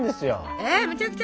えむちゃくちゃ？